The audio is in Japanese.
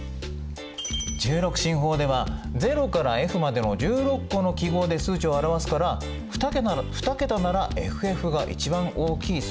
１６進法では０からＦまでの１６個の記号で数値を表すから２桁ならＦＦが一番大きい数値になるみたいですね。